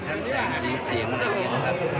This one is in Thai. กันแสงสีเสียงมากเย็น